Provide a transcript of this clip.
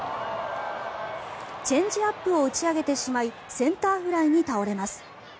チェンジアップを打ち上げてしまいセンターフライに倒れます。